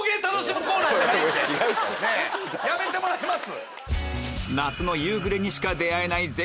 やめてもらえます？